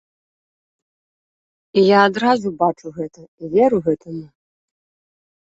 І я адразу бачу гэта і веру гэтаму.